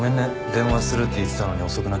電話するって言ってたのに遅くなっちゃって。